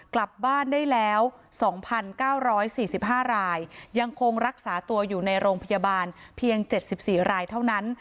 กลับบ้านได้แล้ว๒๙๔๕รายยังคงรักษาตัวอยู่ในโรงพยาบาลเพียง๗๔รายเท่านั้น